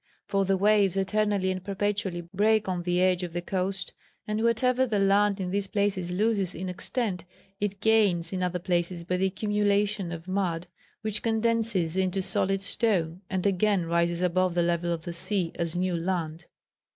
For the waves eternally and perpetually break on the edge of the coast, and whatever the land in these places loses in extent, it gains in other places by the accumulation of mud, which condenses into solid stone and again rises above the level of the sea as new land.